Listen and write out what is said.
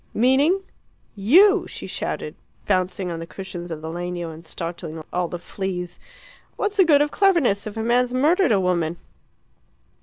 "Meaning ?" "You!" she shouted, bouncing on the cushions of the legno and startling all the fleas. "What's the good of cleverness if a man's murdered a woman?"